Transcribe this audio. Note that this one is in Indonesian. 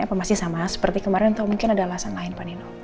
apa masih sama seperti kemarin atau mungkin ada alasan lain pak nino